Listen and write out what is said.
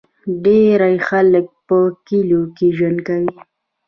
ډیری خلک په کلیو کې ژوند کوي.